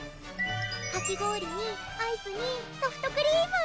かき氷にアイスにソフトクリーム